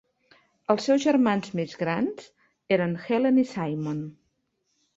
Els seus germans més grans eren Helen i Simon.